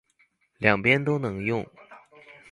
兩邊都能用